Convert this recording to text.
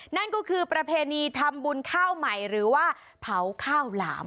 นั่นก็คือประเพณีทำบุญข้าวใหม่หรือว่าเผาข้าวหลาม